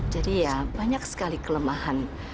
jadi ya banyak sekali kelemahan